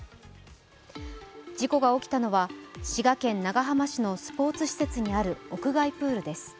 事故が起きたのは滋賀県長浜市のスポーツ施設にある屋外プールです。